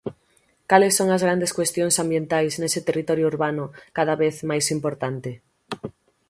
Cales son as grandes cuestións ambientais nese territorio urbano, cada vez máis importante?